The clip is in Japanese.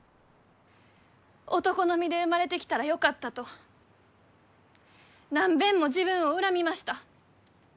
男の身で生まれてきたらよかったと何べんも自分を恨みました。